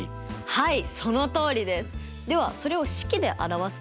はい。